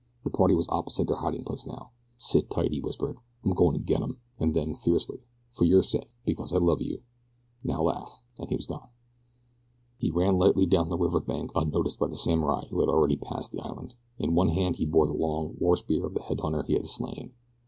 The party was opposite their hiding place now. "Sit tight," he whispered. "I'm goin' to get 'em," and then, fiercely "for your sake, because I love you now laugh," and he was gone. He ran lightly down the river bank unnoticed by the samurai who had already passed the island. In one hand he bore the long war spear of the head hunter he had slain.